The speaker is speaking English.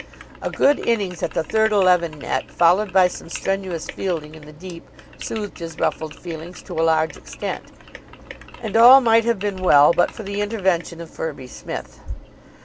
A good innings at the third eleven net, followed by some strenuous fielding in the deep, soothed his ruffled feelings to a large extent; and all might have been well but for the intervention of Firby Smith.